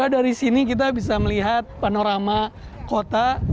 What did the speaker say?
dari sini kita bisa melihat panorama kota